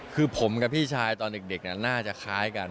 คือผมกับพี่ชายตอนเด็กน่าจะคล้ายกัน